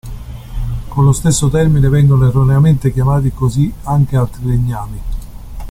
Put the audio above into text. Con lo stesso termine vengono erroneamente chiamati così anche altri legnami.